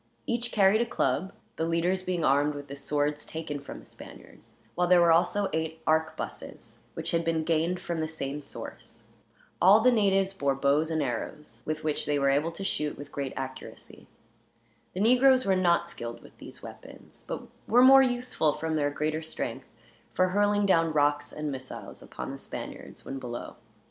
Each carried a club, the leaders being armed with the swords taken from the Spaniards; while there were also eight arquebuses, which had been gained from the same source. All the natives bore bows and arrows, with which they were able to shoot with great accuracy. The negroes were not skilled with these weapons; but were more useful, from their greater strength, for hurling down rocks and missiles upon the Spaniards, when below.